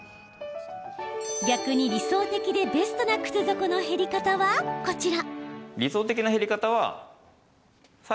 逆に、理想的でベストな靴底の減り方はこちら。